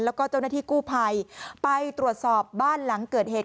แล้วก็เจ้าหน้าที่กู้ภัยไปตรวจสอบบ้านหลังเกิดเหตุ